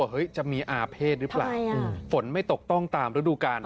เฮ้ยจะมีอาเภษหรือเปล่าฝนไม่ตกต้องตามฤดูกาล